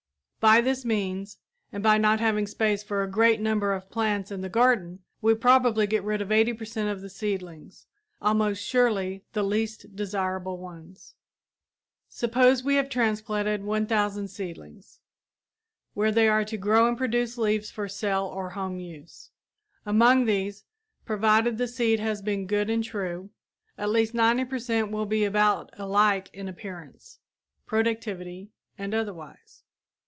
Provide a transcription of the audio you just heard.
By this means, and by not having space for a great number of plants in the garden, we probably get rid of 80 per cent of the seedlings almost surely the least desirable ones. [Illustration: Lath Screen for Shading Beds] Suppose we have transplanted 1,000 seedlings where they are to grow and produce leaves for sale or home use. Among these, provided the seed has been good and true, at least 90 per cent will be about alike in appearance, productivity and otherwise.